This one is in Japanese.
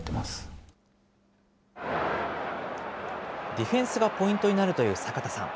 ディフェンスがポイントになるという坂田さん。